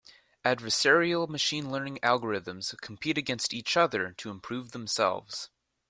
Adversarial machine learning algorithms compete against each other to improve themselves.